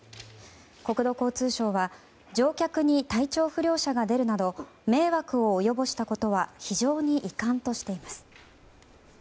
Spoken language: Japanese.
国土交通省は乗客に体調不良者が出るなど迷惑を及ぼしたことは非常に遺憾としています。